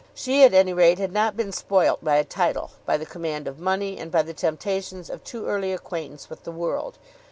She, at any rate, had not been spoilt by a title, by the command of money, and by the temptations of too early acquaintance with the world.